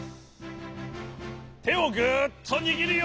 てをぐっとにぎるよ。